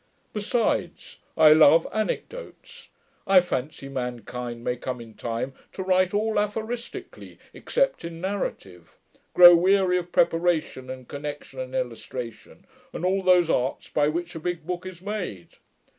Besides, I love anecdotes. I fancy mankind may come, in time, to write all aphoristically, except in narrative; grow weary of preparation, and connection, and illustration, and all those arts by which a big book is made.